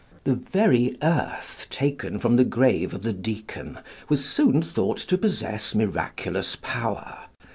The very earth taken from the grave of the Deacon was soon thought to possess miraculous power.